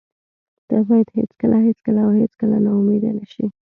ته باید هېڅکله، هېڅکله او هېڅکله نا امید نشې.